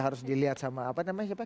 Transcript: harus dilihat sama apa namanya siapa